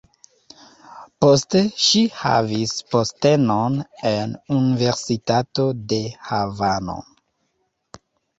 Poste ŝi havis postenon en universitato de Havano.